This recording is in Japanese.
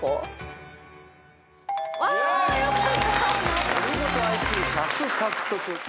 お見事ＩＱ１００獲得。